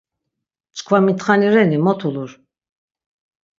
Çkva mitxani reni, mot ulur?